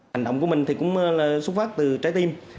hành động của mình thì cũng xuất phát từ trái tim